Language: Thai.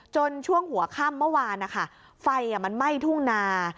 ช่วงหัวค่ำเมื่อวานนะคะไฟมันไหม้ทุ่งนา